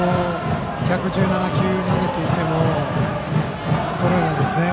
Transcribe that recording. １１７球投げていても衰えないですね。